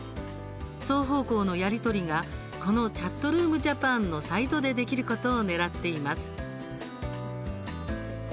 双方向のやり取りがこの「ＣｈａｔｒｏｏｍＪａｐａｎ」のサイトでできることをねらっています。